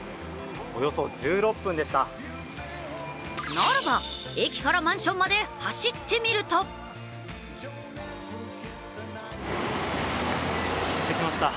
ならば、駅からマンションまで走ってみると走ってきました。